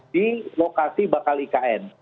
di lokasi bakal ikn